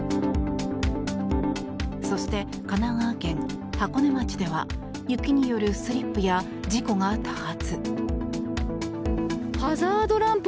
そして、神奈川県箱根町では雪によるスリップや事故が多発。